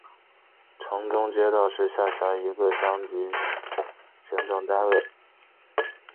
城中街道是下辖的一个乡镇级行政单位。